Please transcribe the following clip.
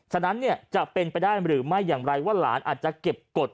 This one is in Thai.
ฉะนั้นเนี่ยจะเป็นไปได้หรือไม่อย่างไรว่าหลานอาจจะเก็บกฎ